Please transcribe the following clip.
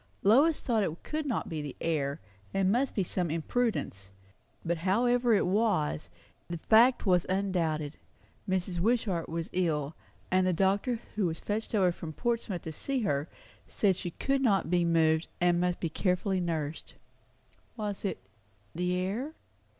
Lois thought it could not be the air, and must be some imprudence; but however it was, the fact was undoubted. Mrs. Wishart was ill; and the doctor who was fetched over from Portsmouth to see her, said she could not be moved, and must be carefully nursed. Was it the air?